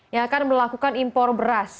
yang akan melakukan impor beras